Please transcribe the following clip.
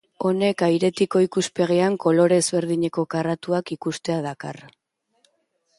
Honek airetiko ikuspegian kolore ezberdineko karratuak ikustea dakar.